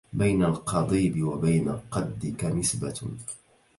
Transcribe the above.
بين القضيب وبين قدك نسبة